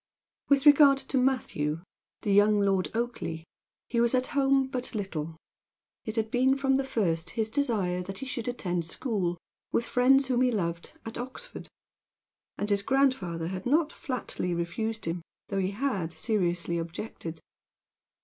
With regard to Matthew, the young Lord Oakleigh, he was at home but little. It had been from the first his desire that he should attend school, with friends whom he loved, at Oxford; and his grandfather had not flatly refused him, though he had seriously objected.